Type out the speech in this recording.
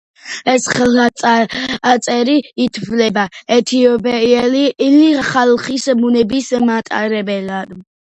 ეს ხელნაწერი ითვლება ეთიოპიელი ხალხის ბუნების მატარებლად.